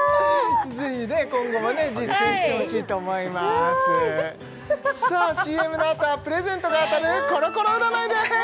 ぜひ今後も実践してほしいと思いますさあＣＭのあとはプレゼントが当たるコロコロ占いです！